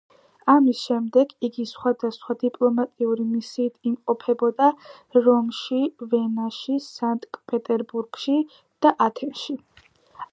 ამის შემდეგ, იგი სხვადასხვა დიპლომატიური მისიით იმყოფებოდა რომში, ვენაში, სანქტ-პეტერბურგში და ათენში.